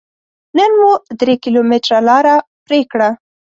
نن مو درې کيلوميټره لاره پرې کړه.